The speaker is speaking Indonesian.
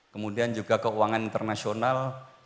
kemudian juga keuangan internasional